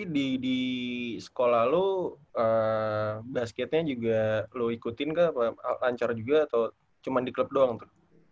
tapi di sekolah lu basketnya juga lu ikutin ke lancar juga atau cuman di klub doang ke